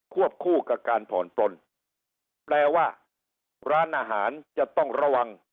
วบคู่กับการผ่อนปลนแปลว่าร้านอาหารจะต้องระวัง